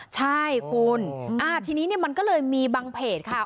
ใช่คุณทีนี้มันก็เลยมีบางเพจค่ะ